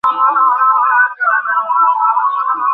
তারপর তিনি আমার দিকে ফিরে তাকালেন।